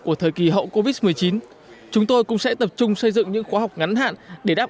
của thời kỳ hậu covid một mươi chín chúng tôi cũng sẽ tập trung xây dựng những khóa học ngắn hạn để đáp